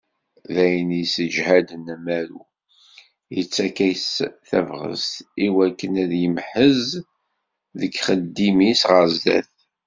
D ayen yesseǧhaden amaru, yettak-as tabɣest i wakken ad yemhez deg yixeddim-is ɣer sdat.